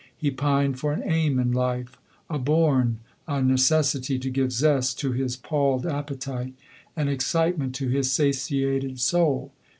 He pined for an aim in life — a bourne — a neces sity, to give zest to his palled appetite, and ex citement to his satiated soul.